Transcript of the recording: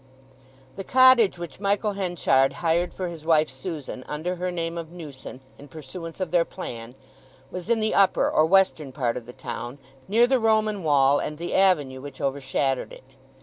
The cottage which Michael Henchard hired for his wife Susan under her name of Newson—in pursuance of their plan—was in the upper or western part of the town, near the Roman wall, and the avenue which overshadowed it.